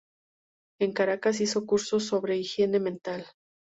En Caracas hizo cursos sobre higiene mental.